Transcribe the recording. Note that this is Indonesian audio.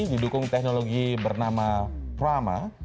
didukung teknologi bernama prama